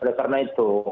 oleh karena itu